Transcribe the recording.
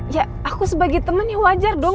ya aku sebagai temennya wajar dong